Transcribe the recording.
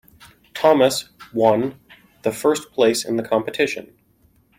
Thomas one first place in the competition.